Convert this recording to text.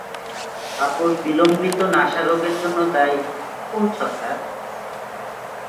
আপুর বিলম্বিত নাসা রোগের জন্য দায়ী কোন ছত্রাক?